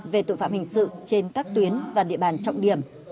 về tội phạm hình sự trên các tuyến và địa bàn trọng điểm